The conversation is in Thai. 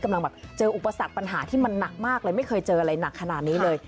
กำลังแบบเจออุปสรรคปัญหาที่มันหนักมากเลยไม่เคยเจออะไรหนักขนาดนี้เลย